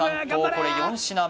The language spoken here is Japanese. これ４品目